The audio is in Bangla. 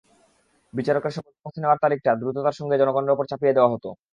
বিচারকের শপথ নেওয়ার তারিখটা দ্রুততার সঙ্গে জনগণের ওপর চাপিয়ে দেওয়া হতো।